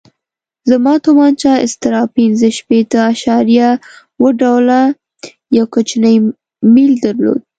زما تومانچه استرا پنځه شپېته اعشاریه اوه ډوله یو کوچنی میل درلود.